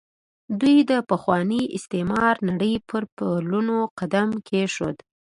دوی د پخوانۍ استعماري نړۍ پر پلونو قدم کېښود.